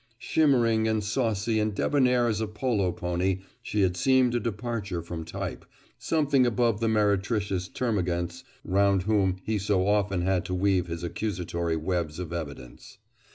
Shimmering and saucy and debonair as a polo pony, she had seemed a departure from type, something above the meretricious termagants round whom he so often had to weave his accusatory webs of evidence.